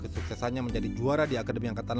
supaya menjadi pimpinan yang bijak